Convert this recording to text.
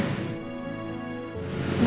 dia baik banget sama gue